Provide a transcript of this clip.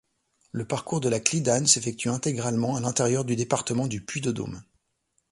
Le parcours de la Clidane s'effectue intégralement à l'intérieur du département du Puy-de-Dôme.